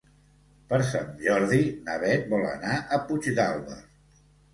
Per Sant Jordi na Beth vol anar a Puigdàlber.